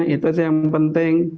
itu saja yang penting